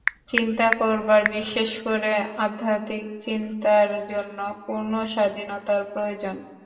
চিন্তা করবার, বিশেষ করে আধ্যাত্মিক চিন্তার জন্য পূর্ণ স্বাধীনতার প্রয়োজন।